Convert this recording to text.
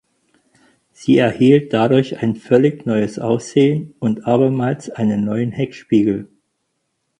Sie erhielt dadurch ein völlig neues Aussehen und abermals einen neuen Heckspiegel.